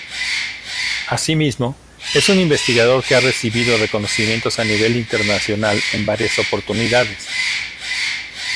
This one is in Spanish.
Asimismo es un investigador que ha recibido reconocimientos a nivel internacional en varias oportunidades.